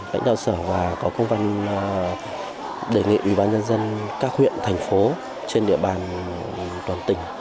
lãnh đạo sở và có công văn đề nghị ủy ban dân dân các huyện thành phố trên địa bàn toàn tỉnh